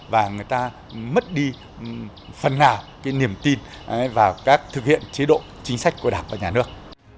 và người ta mất đi phần nào cái niềm tin vào các thực hiện chế độ chính sách của đảng và nhà nước